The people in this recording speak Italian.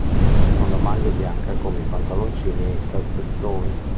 La seconda maglia è bianca come i pantaloncini e i calzettoni.